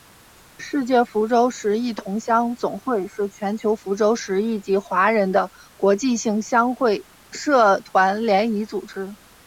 世界福州十邑同乡总会是全球福州十邑籍华人的国际性乡会社团联谊组织。